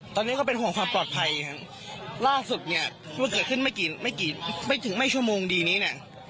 ตอนนี้ก็ก็เป็นห่วงความปลอดภัยล่าสุดเนี่ยความเขื่อขึ้นไม่กินไม่กินให้ถึงแม่ชั่วโมงดีนี้เนี่ย